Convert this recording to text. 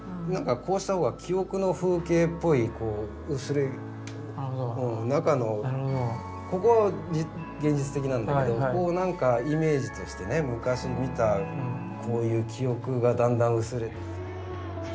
こうした方が記憶の風景っぽいこう薄れゆく中のここは現実的なんだけどこうなんかイメージとしてね昔見たこういう記憶がだんだん薄れて。